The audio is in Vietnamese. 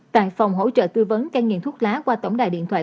tại phòng hỗ trợ tư vấn cai nghiện thuốc lá qua tổng đài điện thoại